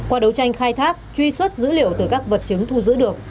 qua đấu tranh khai thác truy xuất dữ liệu từ các vật chứng thu giữ được